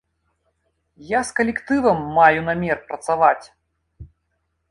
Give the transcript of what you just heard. Я з калектывам маю намер працаваць!